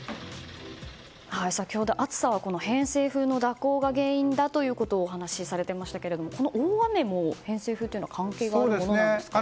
先ほど暑さは偏西風の蛇行が原因だということをお話しされていましたがこの大雨も、偏西風というのは関係があるものなんですか？